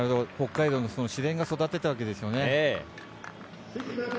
北海道の自然が育てたわけですよね。